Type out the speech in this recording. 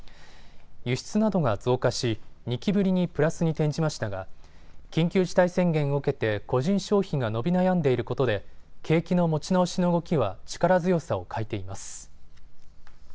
輸出などが増加し、２期ぶりにプラスに転じましたが緊急事態宣言を受けて個人消費が伸び悩んでいることで景気の持ち直しの動きは力強さを欠いています。